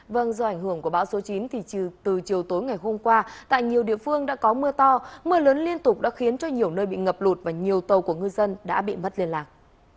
vâng do ảnh hưởng của bão số chín thì từ chiều tối ngày hôm qua tại nhiều địa phương đã có mưa to mưa lớn liên tục đã khiến cho nhiều nơi bị ngập lụt và nhiều tàu của ngư dân đã bị mất liên lạc